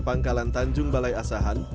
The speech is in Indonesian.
pangkalan tanjung balai asahan